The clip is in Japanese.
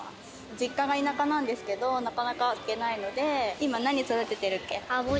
実家が田舎なんですけど、なかなか行けないので、今、何育ててるっけ？